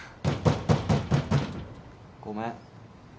・ごめん。